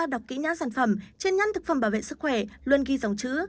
đọc kỹ nhãn sản phẩm trên nhãn thực phẩm bảo vệ sức khỏe luôn ghi dòng chữ